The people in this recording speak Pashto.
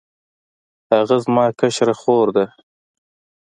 هغه زما کشره خور ده